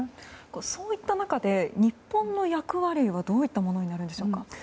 そういった中で日本の役割はどういったものになるんでしょうか。